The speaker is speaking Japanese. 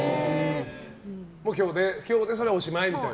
今日でそれはおしまいみたいな。